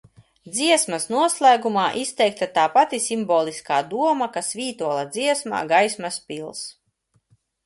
"Dziesmas noslēgumā izteikta tā pati simboliskā doma, kas Vītola dziesmā "Gaismas pils"."